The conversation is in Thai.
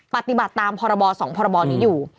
ปฏิบัติตามพรบ๒พรบนี้อยู่